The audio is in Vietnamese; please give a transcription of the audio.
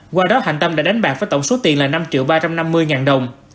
qua đó hạnh tâm đã đánh bạc với tổng số tiền là năm triệu ba trăm năm mươi ngàn đồng